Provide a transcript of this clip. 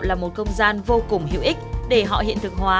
là một không gian vô cùng hữu ích để họ hiện thực hóa